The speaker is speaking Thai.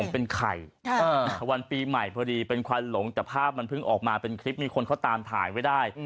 เป็นไข่วันปีใหม่พอดีเป็นควันหลงแต่ภาพมันเพิ่งออกมาเป็นคลิปมีคนเขาตามถ่ายไว้ได้